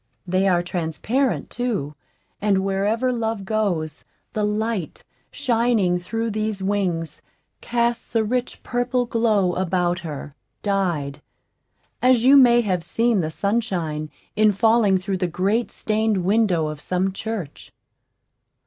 They are transparent too; and wherever Love goes, the light, shining through these wings, casts a rich purple glow about her dyed, as you may have seen the sunshine in falling through the great stained window of some church.